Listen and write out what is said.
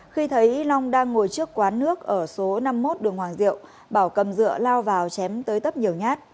khi thấy long đang ngồi trước quán nước ở số năm mươi một đường hoàng diệu bảo cầm dựa lao vào chém tới tấp nhiều nhát